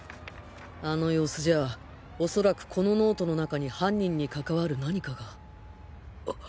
あの様子じゃ恐らくこのノートの中に犯人に関わる何かが